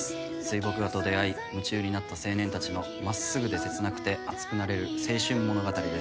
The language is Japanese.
水墨画と出会い夢中になった青年たちの真っすぐで切なくて熱くなれる青春物語です。